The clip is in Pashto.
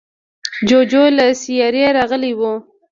جوجو له سیارې راغلی و.